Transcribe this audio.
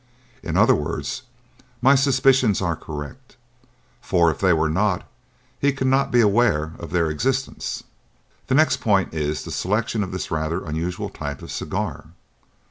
In other words, my suspicions are correct; for if they were not, he could not be aware of their existence. "The next point is the selection of this rather unusual type of cigar.